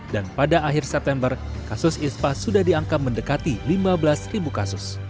dan pada akhir september kasus ispa sudah dianggap mendekati lima belas kasus